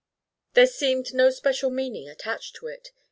There seemed no special meaning attached to it.